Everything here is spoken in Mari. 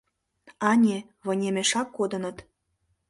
Ане, вынемешак кодыныт.